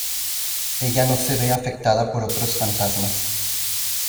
Ella no se ve afectada por otros fantasmas.